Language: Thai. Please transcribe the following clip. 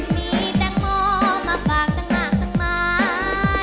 มีแต่งโมมาฝากตั้งหลากตั้งไม้